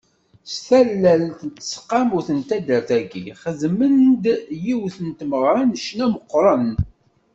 S tallelt n teseqqamut n taddar-agi, xedmen-d yiwet n tmeɣra n ccna meqqren.